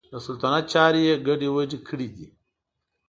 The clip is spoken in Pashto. د سلطنت چارې یې ګډې وډې کړي دي.